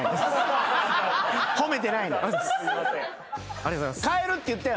「ありがとうございます」じゃない。